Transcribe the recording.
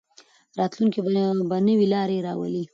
راتلونکی به نوې لارې راولي.